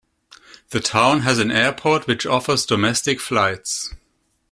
The town has an airport which offers domestic flights.